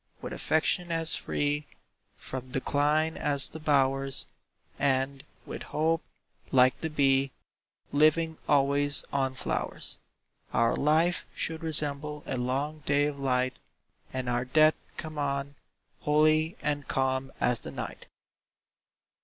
With affection as free From decline as the bowers, And, with hope, like the bee, Living always on flowers, Our life should resemble a long day of light, And our death come on, holy and calm as the night.